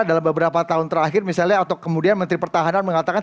dalam beberapa tahun terakhir misalnya atau kemudian menteri pertahanan mengatakan